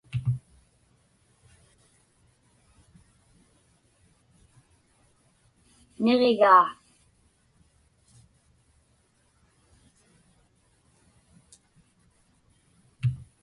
Niġigaa.